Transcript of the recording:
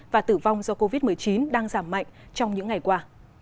và tử vong do covid một mươi chín đang giảm mạnh trong những ngày qua